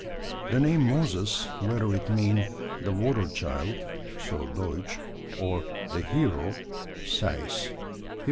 The name Moses, whether it mean "the water child" (so Deutsch) or "the hero" (Sayce, _Hib.